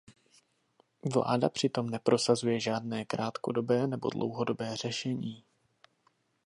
Vláda přitom neprosazuje žádné krátkodobé nebo dlouhodobé řešení.